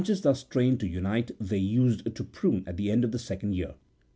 The branches thus trained to unite they used to prune at the end of the second year.